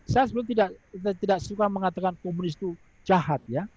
saya sebenarnya tidak suka mengatakan komunis itu jahat ya